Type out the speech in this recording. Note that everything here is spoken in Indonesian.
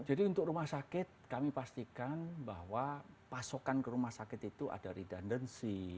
jadi untuk rumah sakit kami pastikan bahwa pasokan ke rumah sakit itu ada redundancy